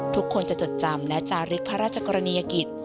ทุกคนจะจดจำและจารึกพระราชกรณียกิจ